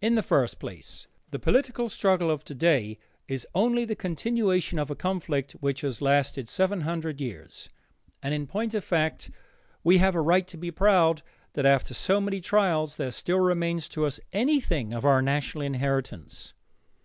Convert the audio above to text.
In the first place, the political struggle of today is only the continuation of a conflict which has lasted seven hundred years, and in point of fact we have a right to be proud that after so many trials there still remains to us anything of our national inheritance.